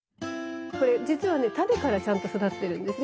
これじつはねタネからちゃんと育ってるんですね。